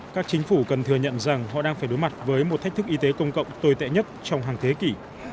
các chính phủ cần thừa nhận rằng họ đang phải đối mặt với một thách thức y tế công cộng tồi tệ nhất trong hàng thế kỷ